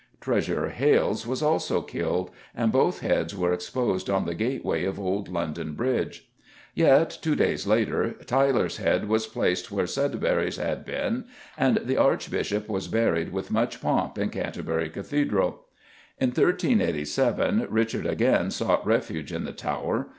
Treasurer Hales was also killed, and both heads were exposed on the gateway of old London Bridge. Yet, two days later, Tyler's head was placed where Sudbury's had been, and the Archbishop was buried with much pomp in Canterbury Cathedral. In 1387 Richard again sought refuge in the Tower.